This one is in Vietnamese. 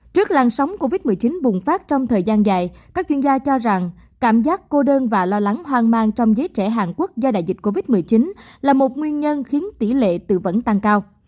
trước làn sóng covid một mươi chín bùng phát trong thời gian dài các chuyên gia cho rằng cảm giác cô đơn và lo lắng hoang mang trong giới trẻ hàn quốc do đại dịch covid một mươi chín là một nguyên nhân khiến tỷ lệ tự vẫn tăng cao